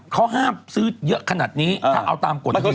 เขาห้ามซื้อเยอะขนาดนี้ถ้าเอาตามกฎก็คือ